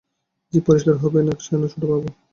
জিভ পরিষ্কার হবে না কেন ছোটবাবু?